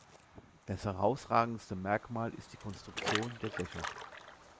Das herausragendste Merkmal ist die Konstruktion der Dächer.